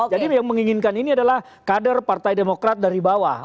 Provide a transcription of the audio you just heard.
jadi yang menginginkan ini adalah kader partai demokrat dari bawah